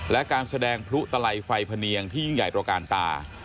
และการแสดงพลุตลัยไฟพะเนียงที่ยิ่งใหญ่ตระการตา